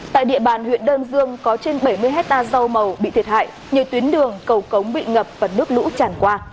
tại địa bàn huyện đơn dương có trên bảy mươi hectare rau màu bị thiệt hại nhiều tuyến đường cầu cống bị ngập và nước lũ tràn qua